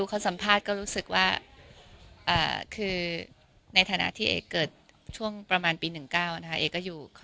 ข้ารู้สึกว่าในฐานะให้เกิดช่วงประมาณปีเหลือ